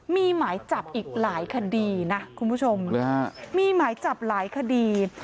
มีหมายจับอีกหลายคดีนะคุณผู้ชมมีหมายจับหลายคดี